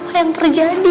apa yang terjadi